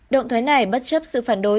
động thái này bất chấp sự phản đối